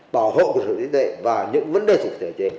bảo hộ của sự tiến tệ và những vấn đề sử dụng thể chế